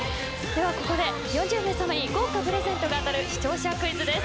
ここで４０名様に豪華プレゼントが当たる視聴者クイズです。